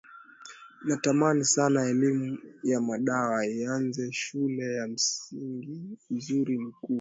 Natamani sana elimu ya madawa ianze shule ya msingiUzuri ni kuwa